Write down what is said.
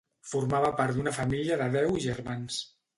Formava part d'una família de deu germans.